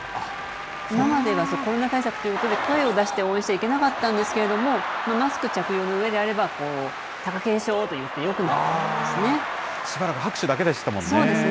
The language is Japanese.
今までは、コロナ対策ということで、声を出して応援しちゃいけなかったんですけれども、マスク着用のうえであれば、貴景勝と言っしばらく拍手だけでしたもんそうですね。